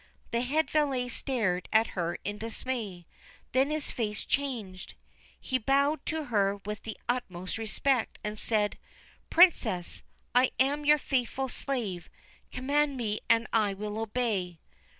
The head valet stared at her in dismay. Then his face changed. He bowed to her with the utmost respect, and said :' Princess, I am your faithful slave ; command me and I will obey.'